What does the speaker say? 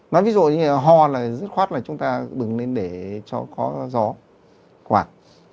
nói ví dụ như ho là dứt khoát là chúng ta bừng lên để cho có gió quạt